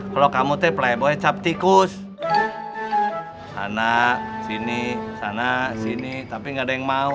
kalau kamu teple boy cap tikus sana sini sana sini tapi nggak ada yang mau